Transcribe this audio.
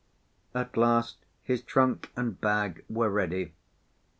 At last his trunk and bag were ready.